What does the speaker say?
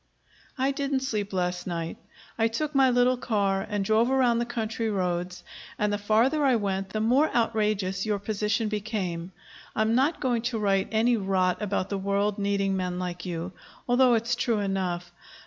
I didn't sleep last night. I took my little car and drove around the country roads, and the farther I went the more outrageous your position became. I'm not going to write any rot about the world needing men like you, although it's true enough.